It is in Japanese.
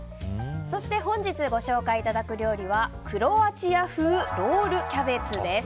そして本日ご紹介いただく料理はクロアチア風ロールキャベツです。